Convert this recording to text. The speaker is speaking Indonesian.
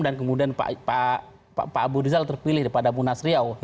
dan kemudian pak abu rizal terpilih daripada munas riau